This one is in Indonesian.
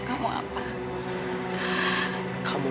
untuk membuka hati aku untuk kamu